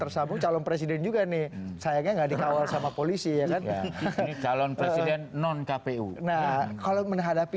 tersambung calon presiden juga nih sayangnya nggak dikawal sama polisi ya kan kalau menhadapi